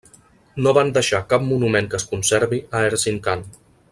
No van deixar cap monument que es conservi a Erzincan.